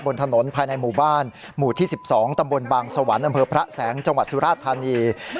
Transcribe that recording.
บนถนนภายในหมู่บ้านหมู่ที่๑๒ตำบลบางสวรรค์อำเภอพระแสงจังหวัดสุราธานี